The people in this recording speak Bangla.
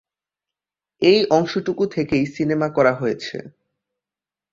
এই অংশটুকু থেকেই সিনেমা করা হয়েছে।